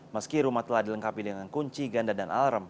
meski rumah telah dilengkapi dengan kunci ganda dan alarm